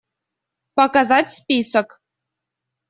Показать список.